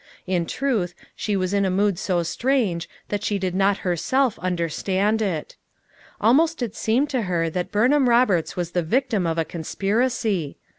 In truth she was in a mood so strange that she did not herself understand it Almost it seemed to her that Burnham Roberts was the victim of a conspiracy.